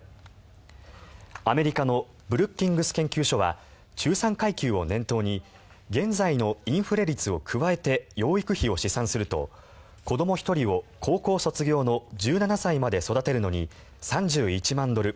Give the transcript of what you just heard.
アメリカのブルッキングス研究所は中産階級を念頭に現在のインフレ率を加えて養育費を試算すると子ども１人を高校卒業の１７歳まで育てるのに３１万ドル